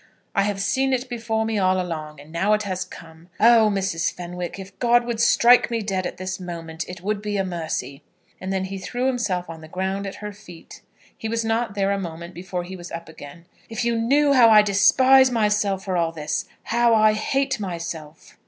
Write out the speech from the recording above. I have seen it before me all along, and now it has come. Oh, Mrs. Fenwick, if God would strike me dead this moment, it would be a mercy!" And then he threw himself on the ground at her feet. He was not there a moment before he was up again. "If you knew how I despise myself for all this, how I hate myself!"